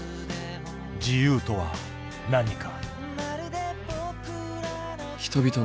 自由とは何か。